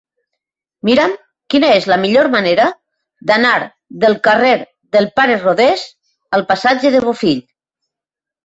Mira'm quina és la millor manera d'anar del carrer del Pare Rodés al passatge de Bofill.